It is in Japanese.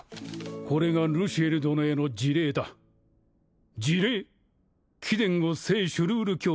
これがルシエル殿への辞令だ「辞令貴殿を聖シュルール教会」